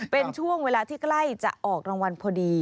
เป็นช่วงเวลาที่ใกล้จะออกรางวัลพอดี